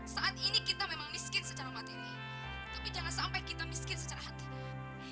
saat ini kita memang miskin secara materi tapi jangan sampai kita miskin secara hati hati